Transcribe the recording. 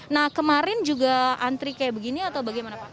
nah kemarin juga antri kayak begini atau bagaimana pak